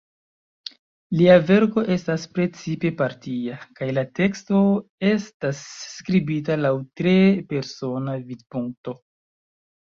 Lia verko estas precipe partia, kaj la teksto estas skribita laŭ tre persona vidpunkto.